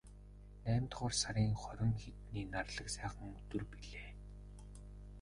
Наймдугаар сарын хорин хэдний нарлаг сайхан өдөр билээ.